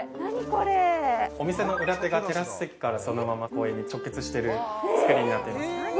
これお店の裏手がテラス席からそのまま公園に直結してる造りになっています